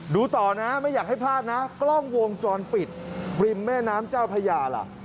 ดูต่อนะไม่อยากให้พลาดนะกล้องวงจรปิดริมแม่น้ำเจ้าพญาล่ะ